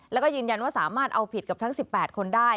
แล้วก็ยืนยันว่าสามารถเอาผิดกับทั้ง๑๘คนได้